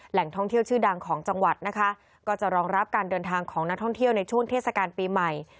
แหล่งท่องเที่ยวชื่อดังของจังหวัดนะคะก็จะรองรับการเดินทางของนักท่องเที่ยวในช่วงเทศกาลปีใหม่